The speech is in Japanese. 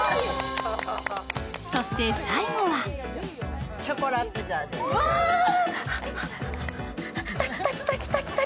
そして最後は来た来た来た来た。